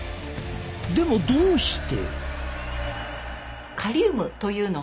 でもどうして？